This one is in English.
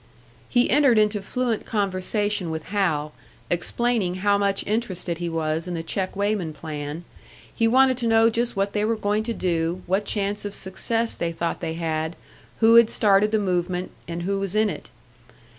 He entered into fluent conversation with Hal, explaining how much interested he was in the check weighman plan; he wanted to know just what they were going to do, what chance of success they thought they had, who had started the movement and who was in it.